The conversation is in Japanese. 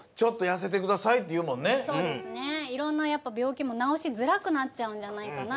いろんなやっぱびょうきもなおしづらくなっちゃうんじゃないかな。